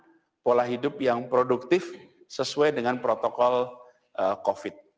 dan pola hidup yang produktif sesuai dengan protokol covid